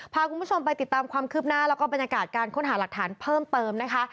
พาคุณผู้ชมไปติดตามความคืบหน้าแล้วก็บรรยากาศการค้นหาหลักฐานเพิ่มเติมนะคะ